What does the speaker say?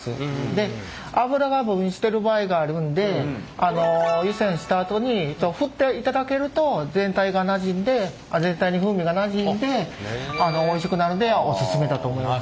で脂が分離してる場合があるんで湯煎したあとに振っていただけると全体がなじんで全体に風味がなじんでおいしくなるんでおすすめだと思います。